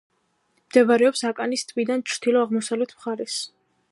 მდებარეობს აკანის ტბიდან ჩრდილო-აღმოსავლეთ მხარეს.